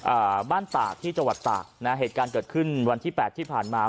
อ่าบ้านตากที่จังหวัดตากนะฮะเหตุการณ์เกิดขึ้นวันที่แปดที่ผ่านมา